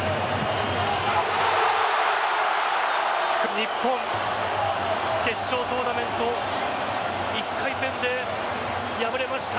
日本、決勝トーナメント１回戦で敗れました。